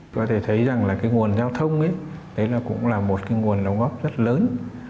có thể thấy rằng là cái nguồn giao thông ấy đấy là cũng là một cái nguồn đóng góp rất lớn